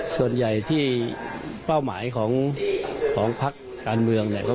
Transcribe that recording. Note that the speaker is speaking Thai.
ส่วนใหญ่ที่เป้าหมายของพักการเมืองเนี่ย